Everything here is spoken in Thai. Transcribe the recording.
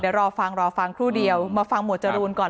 เดี๋ยวรอฟังรอฟังครู่เดียวมาฟังหมวดจรูนก่อน